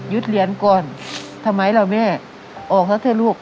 ยึดเรียนก่อนทำไมละเมออกนะเธอลูก